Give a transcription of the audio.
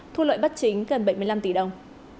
thu lợi bắt chính gần bảy mươi năm tỷ đồng